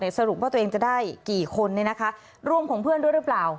สรุปว่าตัวเองจะได้กี่คนร่วมของเพื่อนด้วยหรือเปล่า